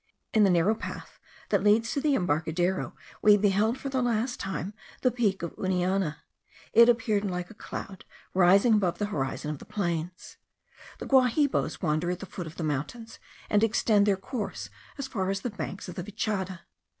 In the narrow path that leads to the embarcadero we beheld for the last time the peak of Uniana. It appeared like a cloud rising above the horizon of the plains. The Guahibos wander at the foot of the mountains, and extend their course as far as the banks of the Vichada.